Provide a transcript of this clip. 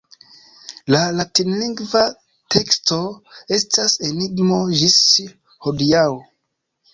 La latinlingva teksto estas enigmo ĝis hodiaŭ.